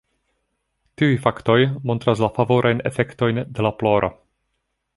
Tiuj faktoj montras la favorajn efektojn de la ploro.